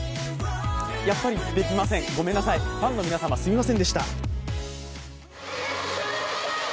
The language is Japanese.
やっぱりできません、ごめんなさいファンの皆様すみませんでした。